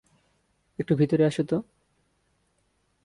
একটু ভিতরে আসো তো?